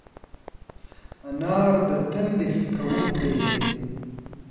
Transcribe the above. انار د تندي ښه کوونکی دی.